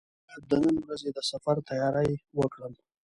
زه باید د نن ورځې د سفر تیاري وکړم.